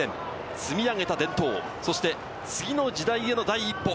積み上げた伝統、そして次の時代への第一歩。